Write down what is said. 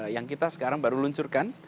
yang kita sekarang baru luncurkan